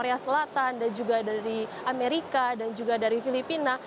korea selatan dan juga dari amerika dan juga dari filipina